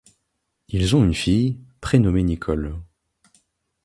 Ils ont une fille, prénommée Nicoll.